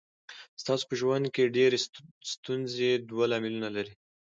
ستاسو په ژوند کې ډېرې ستونزې دوه لاملونه لري.